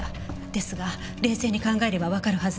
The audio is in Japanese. ですが冷静に考えればわかるはずでした。